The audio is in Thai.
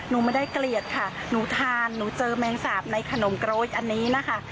หนูไม่ได้เกลียดค่ะหนูทานหนูเจอแมงสาบในขนมโกรธอันนี้นะคะ